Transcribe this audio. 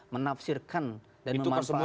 menafsirkan dan memanfaatkan